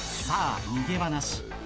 さあ逃げ場なし。